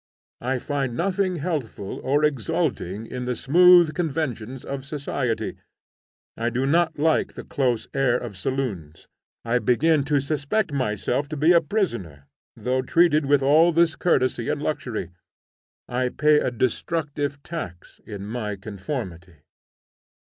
I find nothing healthful or exalting in the smooth conventions of society; I do not like the close air of saloons. I begin to suspect myself to be a prisoner, though treated with all this courtesy and luxury. I pay a destructive tax in my conformity.